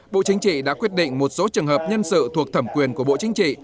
bộ chính trị đã quyết định một số trường hợp nhân sự thuộc thẩm quyền của bộ chính trị